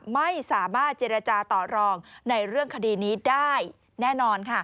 ไม่สามารถเจรจาต่อรองในเรื่องคดีนี้ได้แน่นอนค่ะ